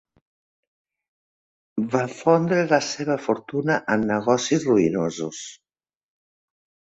Va fondre la seva fortuna en negocis ruïnosos.